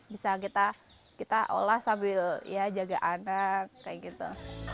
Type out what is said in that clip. bisa kita olah sambil ya jaga anak kayak gitu